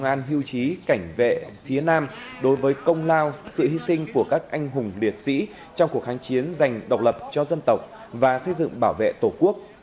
câu lạc bộ sĩ quan hiêu chí cảnh vệ phía nam đối với công lao sự hy sinh của các anh hùng liệt sĩ trong cuộc kháng chiến dành độc lập cho dân tộc và xây dựng bảo vệ tổ quốc